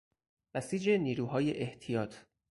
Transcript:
بسیج نیروهای احتیاط